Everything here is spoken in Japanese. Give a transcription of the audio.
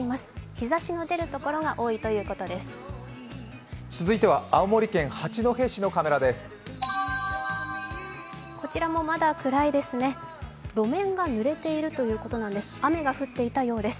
日ざしが出る所が多いということです。